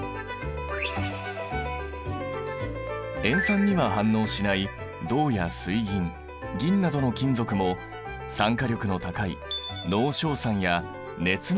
塩酸には反応しない銅や水銀銀などの金属も酸化力の高い濃硝酸や熱濃